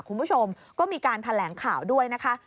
คุณผู้ชมก็มีการแถลงข่าวด้วยนะคะ